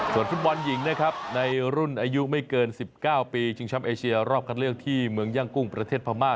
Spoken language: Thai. ส่วนฟุตบอลหญิงนะครับในรุ่นอายุไม่เกิน๑๙ปีชิงช้ำเอเชียรอบคัดเลือกที่เมืองย่างกุ้งประเทศพม่า